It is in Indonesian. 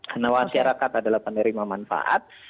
karena masyarakat adalah penerima manfaat